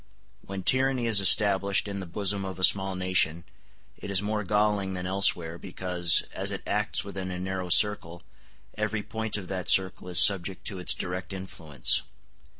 When tyranny is established in the bosom of a small nation, it is more galling than elsewhere, because, as it acts within a narrow circle, every point of that circle is subject to its direct influence.